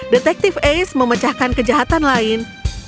detektif ace memecahkan kejahatan lain